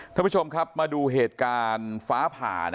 ท่านผู้ชมครับมาดูเหตุการณ์ฟ้าผ่า